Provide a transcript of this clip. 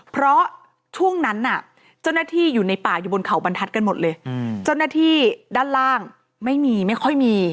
เพราะช่วงนั้นน่ะเจ้าหน้าที่อยู่ในป่าอยู่บนเขาบรรทัศน์กันหมดเลยเจ้าหน้าที่ด้านล่างไม่มีไม่ค่อยมี